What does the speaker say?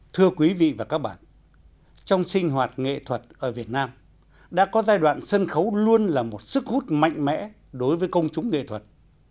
thưa quý vị và các bạn trong sinh hoạt nghệ thuật ở việt nam đã có giai đoạn sân khấu luôn là một sức hút mạnh mẽ đối với công chúng nghệ thuật